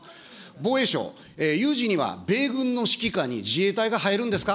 防衛省、有事には米軍の指揮下に自衛隊が入るんですか。